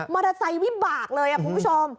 มรรจัยวิบากเลยคุณผู้ชม